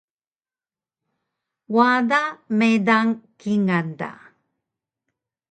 Wada meydang kingal da